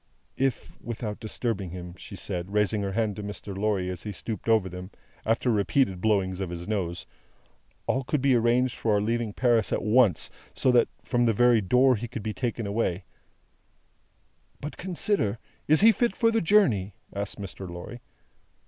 "If, without disturbing him," she said, raising her hand to Mr. Lorry as he stooped over them, after repeated blowings of his nose, "all could be arranged for our leaving Paris at once, so that, from the very door, he could be taken away " "But, consider. Is he fit for the journey?" asked Mr. Lorry.